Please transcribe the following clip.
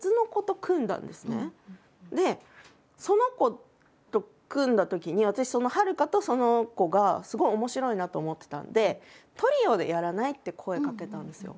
その子と組んだときに私はるかとその子がすごい面白いなあと思ってたんで「トリオでやらない？」って声かけたんですよ。